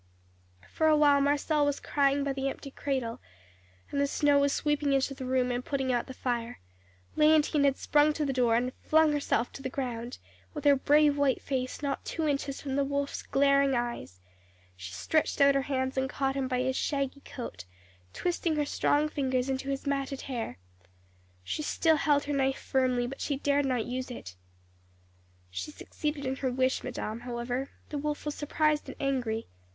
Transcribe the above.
"For while Marcelle was crying by the empty cradle, and the snow was sweeping into the room and putting out the fire, Léontine had sprung to the door, and had flung herself to the ground, with her brave white face not two inches from the wolf's glaring eyes; she stretched out her hands and caught him by his shaggy coat, twisting her strong fingers into his matted hair. She still held her knife firmly, but she dared not use it. "She succeeded in her wish, madame, however; the wolf was surprised and angry.